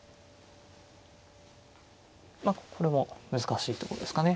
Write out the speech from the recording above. まあこれも難しいとこですかね。